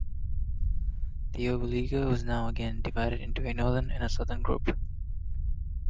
The "Oberliga" was now again divided into a northern and a southern group.